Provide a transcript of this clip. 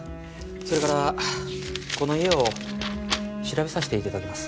それからこの家を調べさせて頂きます。